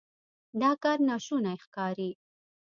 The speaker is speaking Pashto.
دا کار ناشونی ښکاري.